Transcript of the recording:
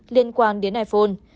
liên quan đến iphone